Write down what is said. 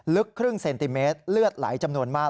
ลึกครึ่งเซนติเมตรเลือดไหลจำนวนมาก